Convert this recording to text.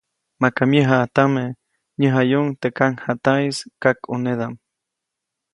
Maka myäjaʼajtame, näjayajuʼuŋ teʼ kaŋjataʼis teʼ kakʼuneʼdam.